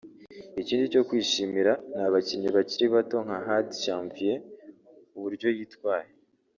ikindi cyo kwishimira ni abakinnyi bakiri bato nka Hadi Jamvier uburyo yitwaye